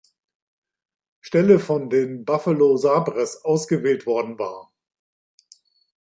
Stelle von den Buffalo Sabres ausgewählt worden war.